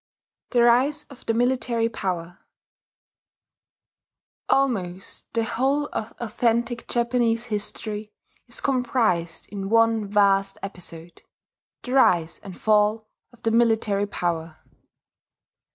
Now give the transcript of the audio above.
THE RISE OF THE MILITARY POWER Almost the whole of authentic Japanese history is comprised in one vast episode: the rise and fall of the military power....